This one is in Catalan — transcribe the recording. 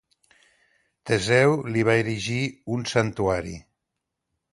Teseu li va erigir un santuari.